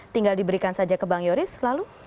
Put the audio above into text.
tinggal diberikan saja ke bang yoris lalu